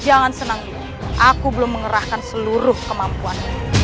jangan senang aku belum mengerahkan seluruh kemampuan